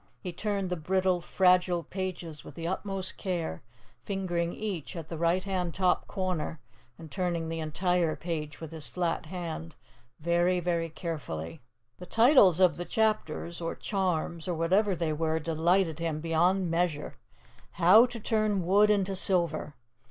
He turned the brittle, fragile pages with the utmost care, fingering each at the right hand top corner, and turning the entire page with his flat hand, very, very carefully. The titles of the chapters, or charms, or whatever they were, delighted him beyond measure: "HOW TO TURN WOOD INTO SILVER.